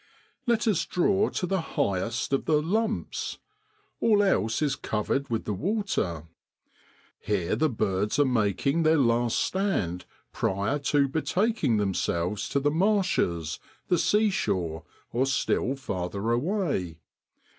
Let us draw to the highest of the l lumps :' all else is covered with the water. Here the birds are making their last stand prior to betaking themselves to the marshes, the sea shore, or still farther away.